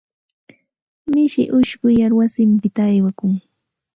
Mishi ushquyar wasinpita aywakun.